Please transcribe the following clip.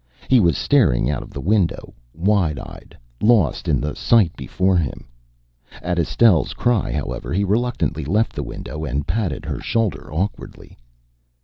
He was staring out of the window, wide eyed, lost in the sight before him. At Estelle's cry, however, he reluctantly left the window and patted her shoulder awkwardly.